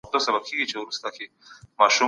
د کندهاري لونګۍ رنګونه ولي ځانګړي دي؟